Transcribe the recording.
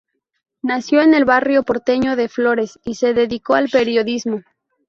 Nació en el barrio porteño de Flores y se dedicó al periodismo.